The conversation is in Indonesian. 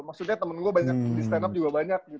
maksudnya temen gua di stand up juga banyak